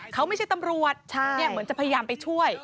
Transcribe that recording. เขาไม่ใช่ตำรวจเหมือนจะพยายามไปช่วย